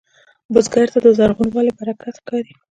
بزګر ته زرغونوالی برکت ښکاري